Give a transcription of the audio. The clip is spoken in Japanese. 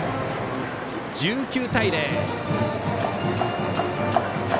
１９対０。